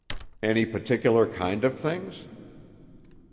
"Any particular kind of things?"